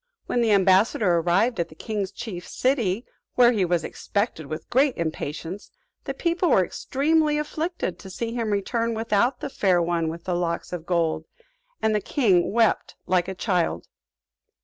When the ambassador arrived at the king's chief city, where he was expected with great impatience, the people were extremely afflicted to see him return without the Fair One with the Locks of Gold; and the king wept like a child.